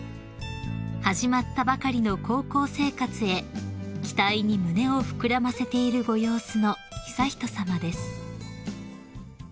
［始まったばかりの高校生活へ期待に胸を膨らませているご様子の悠仁さまです］